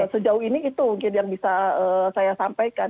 sejauh ini itu mungkin yang bisa saya sampaikan